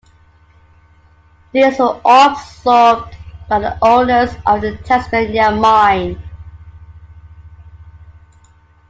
These were all absorbed by the owners of the "Tasmania mine".